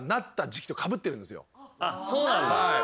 そうなんだ。